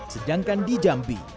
sedangkan di jambi